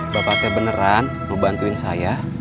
bapaknya beneran mau bantuin saya